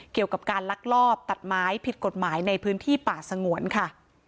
เกี่ยวกับการลักลอบตัดไม้ผิดกฎหมายในพื้นที่ป่าสงวนค่ะ